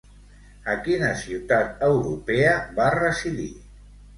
A quina ciutat europea va residir?